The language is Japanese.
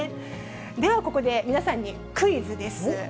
ではここで、皆さんにクイズです。